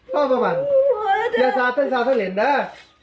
พ่อประมาณอย่าซาดให้เห็นได้